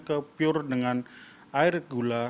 ke pure dengan air gula